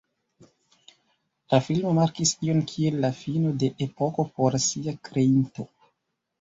La filmo markis ion kiel la fino de epoko por sia kreinto.